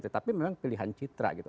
tetapi memang pilihan citra gitu